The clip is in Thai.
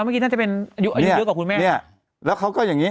เมื่อกี้น่าจะเป็นอายุอายุเยอะกว่าคุณแม่เนี่ยแล้วเขาก็อย่างงี้